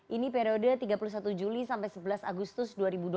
ini periode tiga puluh satu juli sampai sebelas agustus dua ribu dua puluh